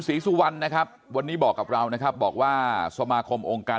ศรีสุวรรณนะครับวันนี้บอกกับเรานะครับบอกว่าสมาคมองค์การ